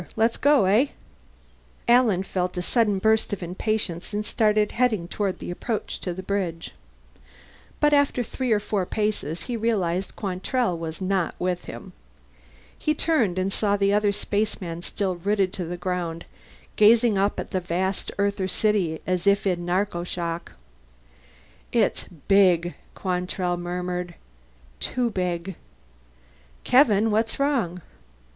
Let's go, eh?" Alan felt a sudden burst of impatience and started heading toward the approach to the bridge. But after three or four paces he realized Quantrell was not with him. He turned and saw the other spaceman still rooted to the ground, gazing up at the vast Earther city as if in narcoshock. "It's big," Quantrell murmured. "Too big." "Kevin! What's wrong?"